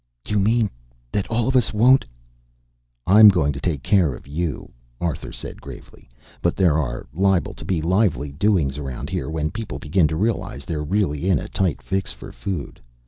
"You mean that all of us won't " "I'm going to take care of you," Arthur said gravely, "but there are liable to be lively doings around here when people begin to realize they're really in a tight fix for food.